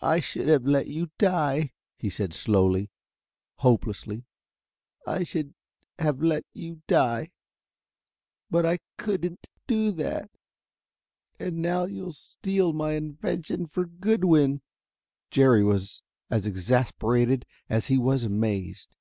"I should have let you die," he said slowly, hopelessly. "I should have let you die. But I couldn't do that.... And now you'll steal my invention for Goodwin." Jerry was as exasperated as he was amazed.